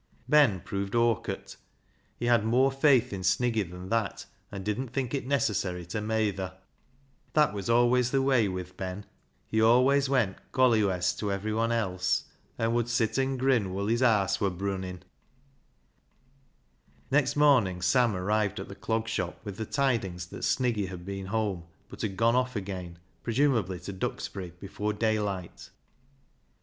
Ben proved " awkert." He had more faith in Sniggy than that, and didn't think it necessary to " meyther." That was always the way with Ben — he always went " collywest " to everybody else, and would " sit an' grin woll his haase wur brunnin'." Next morning Sam arrived at the Clog Shop with the tidings that Sniggy had been home, but had gone off again, presumably to Duxbury, before daylight.